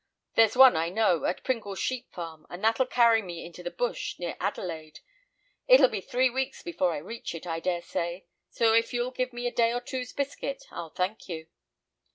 There's one, I know, at Pringle's sheep farm, and that'll carry me into the bush near Adelaide. It'll be three weeks before I reach it, I dare say, so if you'll give me a day or two's biscuit, I'll thank you."